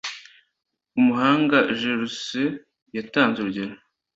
umuhanga jj rousseau yatanze urugero